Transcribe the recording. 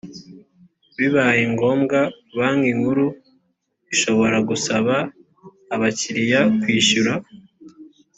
bibaye ngombwa banki nkuru ishobora gusaba abakiriya kwishyura.